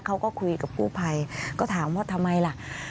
เขาก็คุยกับกู้ภัยก็ถามว่าทำไมล่ะ